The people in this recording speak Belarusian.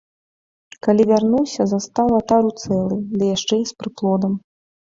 Калі вярнуўся, застаў атару цэлай, ды яшчэ і з прыплодам.